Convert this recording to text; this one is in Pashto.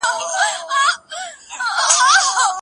ړوند سړی کولای سي له ږیري سره بې ډاره اتڼ وکړي.